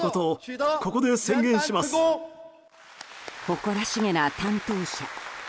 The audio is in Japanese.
誇らしげな担当者。